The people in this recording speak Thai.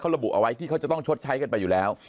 ระบุเอาไว้ที่เขาจะต้องชดใช้กันไปอยู่แล้ว